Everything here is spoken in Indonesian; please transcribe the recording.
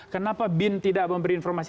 kenapa bin tidak memberi informasi